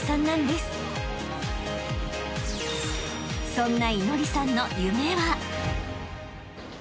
［そんな］